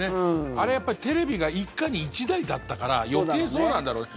あれ、やっぱりテレビが一家に１台だったから余計そうなんだろうね。